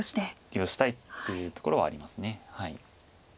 利用したいというところはあります。